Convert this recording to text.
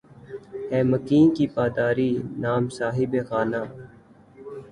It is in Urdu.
ہے مکیں کی پا داری نام صاحب خانہ